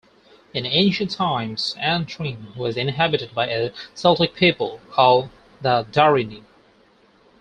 In ancient times, Antrim was inhabited by a Celtic people called the Darini.